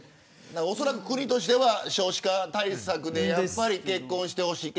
おそらく国としては少子化対策でやっぱり結婚してほしい。